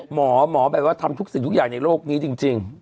หมอหมอแบบว่าทำทุกสิ่งทุกอย่างในโลกนี้จริง